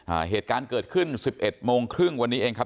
อ่าเหตุการณ์เกิดขึ้นสิบเอ็ดโมงครึ่งวันนี้เองครับ